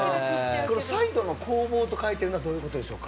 サイドの攻防と書いているのはどういうことでしょうか。